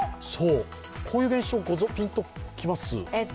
こういう現象、ピンと来ます？